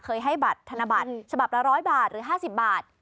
ให้บัตรธนบัตรฉบับละ๑๐๐บาทหรือ๕๐บาท